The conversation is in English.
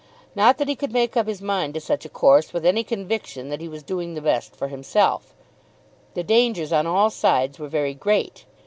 Not that he could make up his mind to such a course with any conviction that he was doing the best for himself. The dangers on all sides were very great!